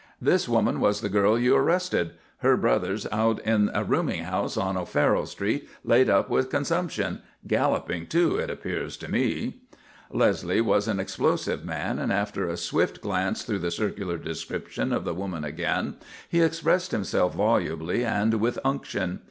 "This woman was the girl you arrested. Her brother's out in a rooming house on O'Farrell Street, laid up with consumption galloping, too, it appears to me." Leslie was an explosive man, and after a swift glance through the circular description of the woman again, he expressed himself volubly and with unction.